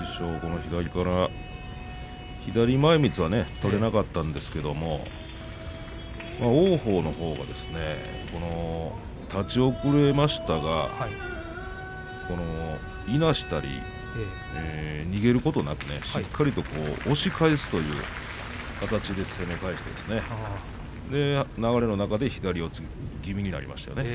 左から、左前みつを取れなかったんですけれども王鵬のほうが立ち遅れましたがいなしたり逃げることなくしっかりと押し返すという形で攻め返して流れの中で左四つ気味になりました。